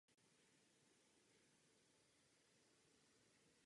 Tyto analýzy však nedokážou zachytit vyhynulé linie.